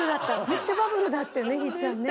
めっちゃバブルだったよねひーちゃんね。